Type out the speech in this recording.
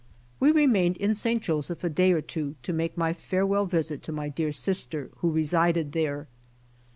We remained in St. Joseph a day or tw^o to make my farewell visit to my dear sister who resided there.